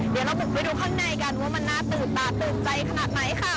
เดี๋ยวเราบุกไปดูข้างในกันว่ามันน่าตื่นตาตื่นใจขนาดไหนค่ะ